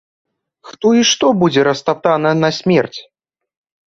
Хто і што будзе растаптана насмерць?!